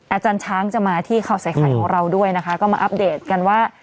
อาจารย์ช้างจะมาที่ข่าวใส่ไข่ของเราด้วยนะคะก็มาอัปเดตกันว่า